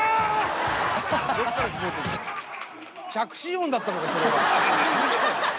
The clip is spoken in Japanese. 着信音だったのかそれは。